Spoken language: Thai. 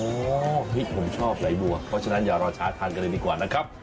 โอ้โหผมชอบไหลบัวเพราะฉะนั้นอย่ารอช้าทานกันเลยดีกว่านะครับ